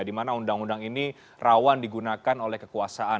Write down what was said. dimana undang undang ini rawan digunakan oleh kekuasaan